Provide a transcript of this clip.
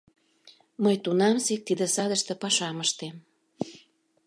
Мый тунамсек тиде садыште пашам ыштем.